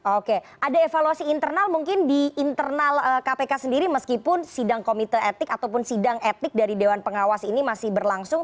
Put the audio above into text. oke ada evaluasi internal mungkin di internal kpk sendiri meskipun sidang komite etik ataupun sidang etik dari dewan pengawas ini masih berlangsung